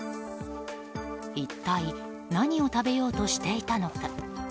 一体、何を食べようとしていたのか。